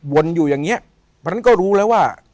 อยู่อย่างนี้เพราะฉะนั้นก็รู้แล้วว่า